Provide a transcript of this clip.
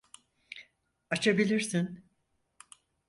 Açabilirsin.